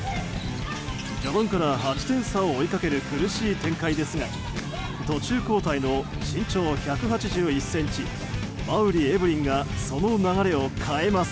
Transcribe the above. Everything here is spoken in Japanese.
序盤から８点差を追いかける苦しい展開ですが途中交代の身長１８１ｃｍ馬瓜エブリンがその流れを変えます。